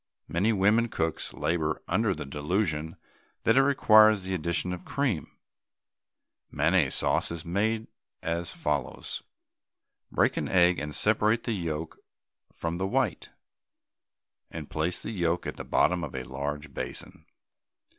Many women cooks labour under the delusion that it requires the addition of cream. Mayonnaise sauce is made as follows: Break an egg and separate the yolk from the white, and place the yolk at the bottom of a large basin.